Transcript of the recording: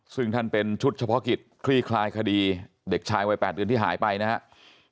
ซึ่งท่านเป็นชุดเฉพาะกิจคลี่คลายคดีเด็กชายวัย๘เดือนที่หายไปนะครับ